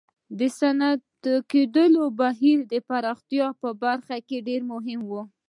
د صنعتي کېدو بهیر د پراختیا په برخه کې ډېر مهم و.